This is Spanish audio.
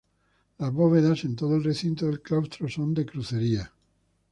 Las bóvedas en todo el recinto del claustro son de crucería.